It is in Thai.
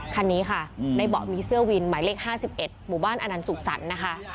คันนี้ค่ะในเบาะมีเสื้อวินหมายเลข๕๑หมู่บ้านอนันสุขสรรค์นะคะ